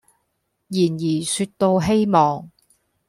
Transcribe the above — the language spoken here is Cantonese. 然而說到希望，